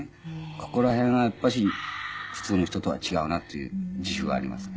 ここら辺はやっぱし普通の人とは違うなっていう自負はありますね。